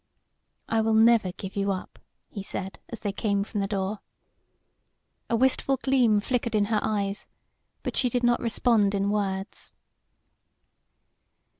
"I will never give you up," he said, as they came from the door. A wistful gleam flickered in her eyes, but she did not respond in words.